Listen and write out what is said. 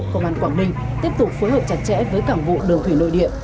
công an quảng ninh tiếp tục phối hợp chặt chẽ với cảng vụ đường thủy nội địa